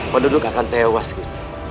penduduk akan tewas gusti